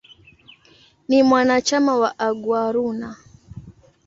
Ni mwanachama wa "Aguaruna".